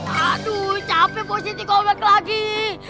aduh capek positi kalau balik lagi